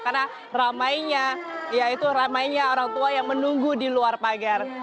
karena ramainya ya itu ramainya orang tua yang menunggu di luar pagar